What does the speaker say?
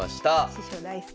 師匠大好き。